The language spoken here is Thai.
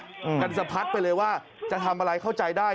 กันสะพัดไปเลยว่าจะทำอะไรเข้าใจได้